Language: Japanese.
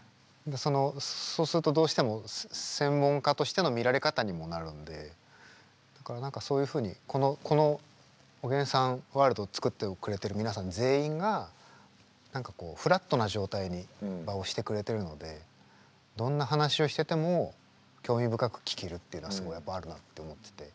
そのそうするとどうしても専門家としての見られ方にもなるんでだから何かそういうふうにこのおげんさんワールドを作ってくれてる皆さん全員が何かこうフラットな状態に場をしてくれてるのでどんな話をしてても興味深く聞けるっていうのはすごいやっぱあるなって思ってて。